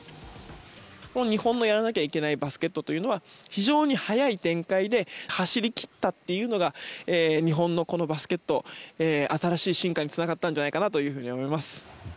日本のやらないといけないバスケットというのは非常に速い展開で走り切ったというのが日本のバスケ、新しい進化につながったんじゃないかなと思います。